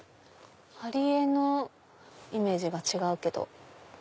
貼り絵のイメージが違うけど。